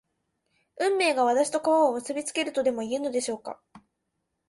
運命が私と川を結びつけるとでもいうのでしょうか